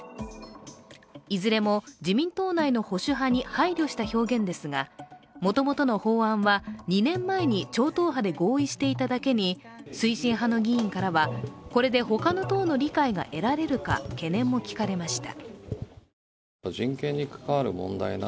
いずれも自民党内の保守派に配慮した表現ですがもともとの法案は２年前に超党派で合意していただけに推進派の議員からは、これで他の党の理解が得られるか懸念も聞かれました。